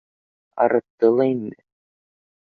Арытты ла инде